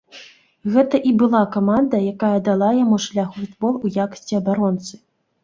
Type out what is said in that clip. Гэта і была каманда, якая дала яму шлях у футбол у якасці абаронцы.